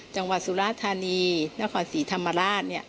จังหวัดสุราธานีนครศรีธรรมราช